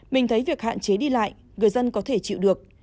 mình thấy việc hạn chế đi lại người dân có thể chịu được